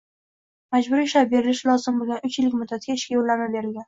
majburiy ishlab berilishi lozim bo‘lgan uch yillik muddatga ishga yo‘llanma berilgan